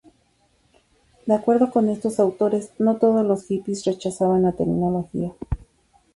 De acuerdo con estos autores, no todos los hippies rechazaban la tecnología.